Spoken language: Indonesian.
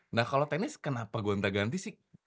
nah kalau tenis kenapa gonta ganti sih